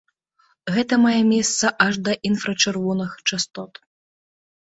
Гэта мае месца аж да інфрачырвоных частот.